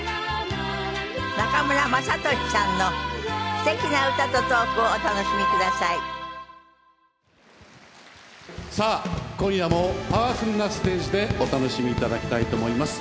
中村雅俊さんのすてきな歌とトークをお楽しみくださいさあ今夜もパワフルなステージでお楽しみ頂きたいと思います。